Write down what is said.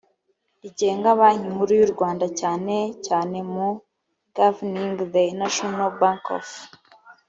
rigenga banki nkuru y u rwanda cyane cyane mu governing the national bank of